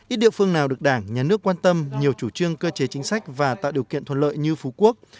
ít địa phương nào được đảng nhà nước quan tâm nhiều chủ trương cơ chế chính sách và tạo điều kiện thuận lợi như phú quốc